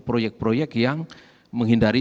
proyek proyek yang menghindari